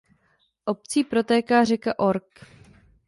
Obcí protéká řeka Orge.